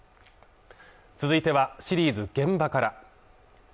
続いてはシリーズ「現場から」